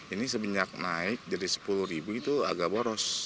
ini semenjak naik jadi sepuluh ribu itu agak boros